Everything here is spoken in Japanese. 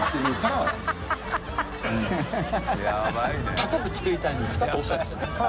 高く作りたいんですかっておっしゃってたじゃないですか。